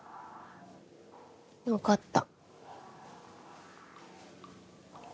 分かった。